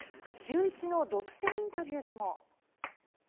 シューイチの独占インタビューでも。